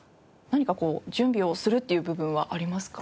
何か準備をするっていう部分はありますか？